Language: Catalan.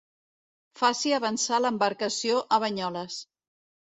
Faci avançar l'embarcació a Banyoles.